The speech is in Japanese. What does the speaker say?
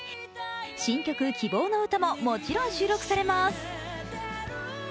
新曲「希望のうた」ももちろん収録されます。